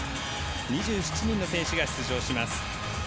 ２７人の選手が出場します。